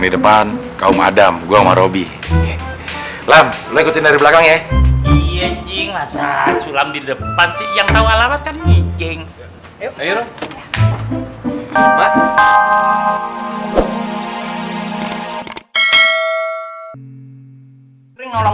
di depan kaum adam gua marobi lam lewatin dari belakang ya iya sih masa sulam di depan sih yang